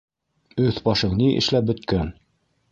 Өҫ-башың ни эшләп бөткән?!